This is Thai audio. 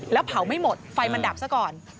แล้วเผาไม่หมดไฟมันดับซะก่อน